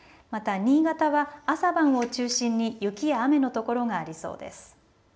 また新潟は朝晩を中心に雪や雨の所がありそうです。